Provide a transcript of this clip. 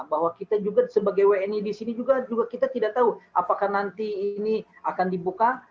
bahwa kita juga sebagai wni di sini juga kita tidak tahu apakah nanti ini akan dibuka